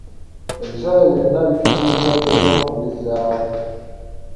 Ebisaawe byonna bitundiddwa tulina okubizzaawo.